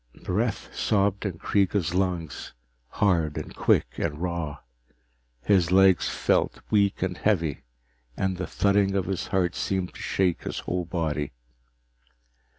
Breath sobbed in Kreega's lungs, hard and quick and raw. His legs felt weak and heavy, and the thudding of his heart seemed to shake his whole body.